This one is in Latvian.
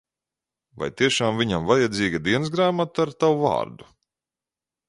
Vai tiešām viņam vajadzīga dienasgrāmata ar tavu vārdu?